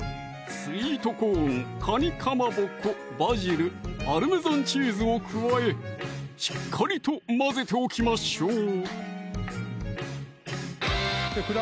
スイートコーン・かにかまぼこ・バジル・パルメザンチーズを加えしっかりと混ぜておきましょう